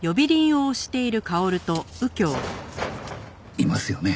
いますよね？